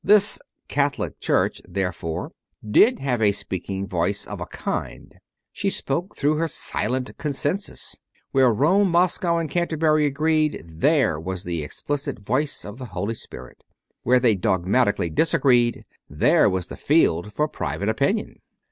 This "Catholic Church," there fore, did have a speaking voice of a kind : she spoke through her silent consensus. Where Rome, Mos cow, and Canterbury agreed, there was the explicit voice of the Holy Spirit; where they dogmatically disagreed, there was the field for private opinion.